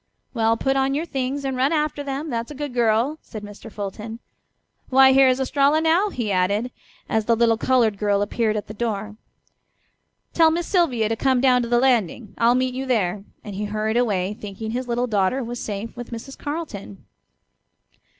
"Well, put on your things and run after them, that's a good girl," said Mr. Fulton. "Why, here is Estralla now," he added, as the little colored girl appeared at the door. "Tell Miss Sylvia to come down to the landing; I'll meet you there," and he hurried away, thinking his little daughter was safe with Mrs. Carleton.